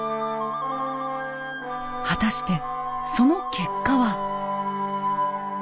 果たしてその結果は。